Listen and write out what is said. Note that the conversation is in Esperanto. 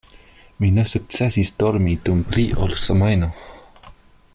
Mi ne sukcesis dormi dum pli ol semajno.